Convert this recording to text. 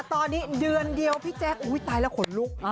ตอนนี้เดือนเดียวพี่แจ๊คตายแล้วขนลุก